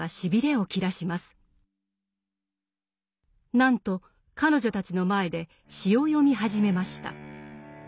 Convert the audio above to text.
なんと彼女たちの前で詩を読み始めました。